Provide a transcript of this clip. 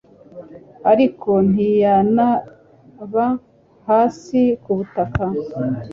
ariko ntiyanaba hasi ku butaka